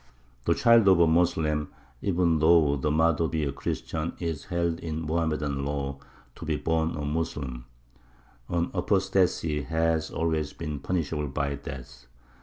The child of a Moslem, even though the mother be a Christian, is held in Mohammedan law to be born a Moslem, and apostacy has always been punishable by death.